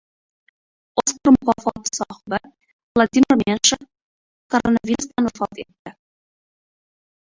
«Oskar» mukofoti sohibi Vladimir Menshov koronavirusdan vafot etdi